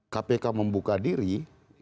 kpk membuka diri ya terhadap anggaran